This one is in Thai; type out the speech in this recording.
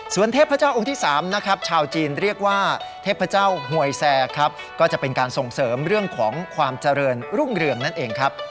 ส่วนเทพเจ้าองค์ที่๓นะครับชาวจีนเรียกว่าเทพเจ้าหวยแซครับก็จะเป็นการส่งเสริมเรื่องของความเจริญรุ่งเรืองนั่นเองครับ